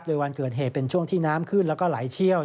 โดยวันเกิดเหตุเป็นช่วงที่น้ำขึ้นแล้วก็ไหลเชี่ยว